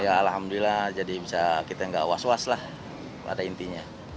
ya alhamdulillah jadi bisa kita nggak was was lah pada intinya